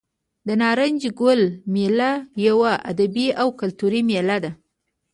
د نارنج ګل میله یوه ادبي او کلتوري میله ده.